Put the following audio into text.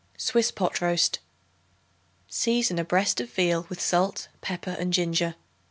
Swiss Pot Roast. Season a breast of veal with salt, pepper and ginger.